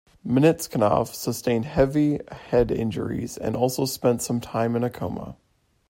Mnatsakanov sustained heavy head injuries and also spent some time in a coma.